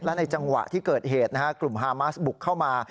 และในจังหวะที่เกิดเหตุกลุ่มฮามาสบุกเข้ามา